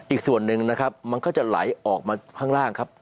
อีกส่วนหนึ่งนะครับมันก็จะไหลออกมาข้างล่างครับ